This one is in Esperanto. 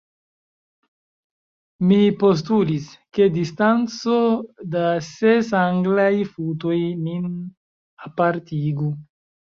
Mi postulis, ke distanco da ses Anglaj futoj nin apartigu.